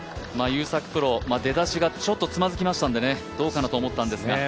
出だしがちょっとつまずきましたのでどうかなと思ったんですが。